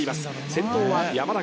先頭は山中。